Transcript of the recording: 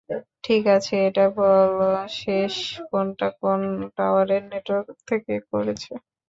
ঠিক আছে, এটা বল শেষ ফোনটা কোন টাওয়ারের নেটওয়ার্ক থেকে করেছে?